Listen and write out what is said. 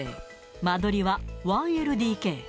間取りは１ＬＤＫ。